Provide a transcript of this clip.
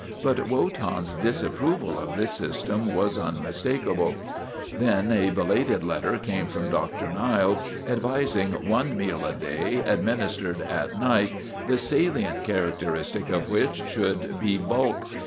But Wotan's disapproval of this sys tem was unmistakable. Then a belated letter came from Dr. Niles advising one meal a day, adminis tered at night, the salient characteristic of which 222 WOTAN, THE TERRIBLE should be bulk.